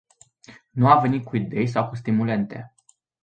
Nu a venit cu idei sau cu stimulente.